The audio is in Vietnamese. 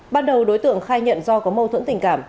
ban đầu đối tượng khai nhận do có mâu thuẫn tình cảm